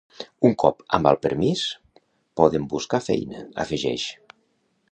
Un cop amb el permís poden buscar feina, afegeix.